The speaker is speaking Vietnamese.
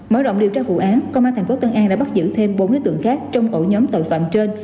mới rộng điều tra vụ án công an thành phố tân an đã bắt giữ thêm bốn đối tượng khác trong ổ nhóm tội phạm trên